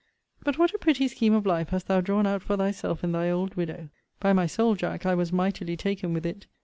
But what a pretty scheme of life hast thou drawn out for thyself and thy old widow! By my soul, Jack, I was mightily taken with it.